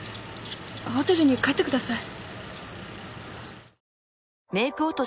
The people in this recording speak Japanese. ホテルに帰ってください。